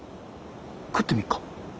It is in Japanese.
食ってみるか？